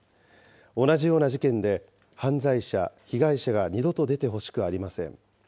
同じような事件で犯罪者、被害者が二度と出てほしくありません。